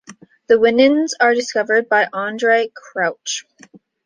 The Winans were discovered by Andrae Crouch.